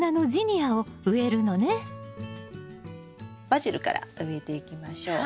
バジルから植えていきましょう。